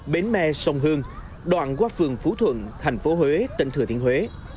bến me sông hương đoạn qua phường phú thuận thành phố huế tỉnh thừa thiên huế